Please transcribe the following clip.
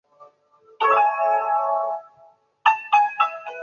游戏加入了新的石头剪刀布元素。